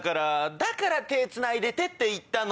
だから手つないでてって言ったの。